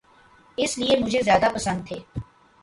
اسی لیے مجھے زیادہ پسند تھے۔